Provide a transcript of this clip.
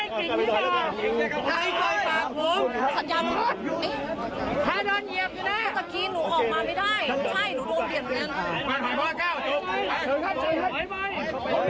ถ้าเชิดสะกี้หนูออกมาไม่ได้ถ้าเชิดงี้หนูออกมาไม่ได้